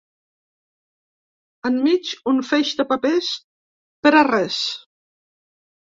Enmig, un feix de papers… per a res.